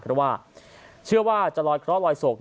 เพราะว่าเชื่อว่าจะลอยเคราะหลอยโศก